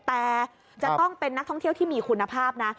แต่จะต้องเป็นนักท่องเที่ยวที่มีคุณภาพนะ